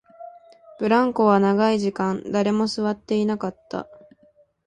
ブランコは長い時間、誰も座っていなかった